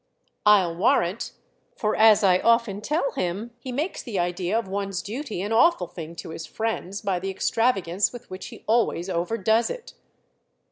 "I'll warrant—for, as I often tell him, he makes the idea of one's duty an awful thing to his friends by the extravagance with which he always overdoes it."